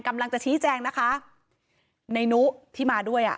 กำลังจะชี้แจงนะคะในนุที่มาด้วยอ่ะ